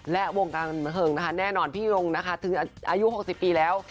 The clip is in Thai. และวงการบันเทิงนะคะแน่นอนพี่รงนะคะถึงอายุ๖๐ปีแล้ว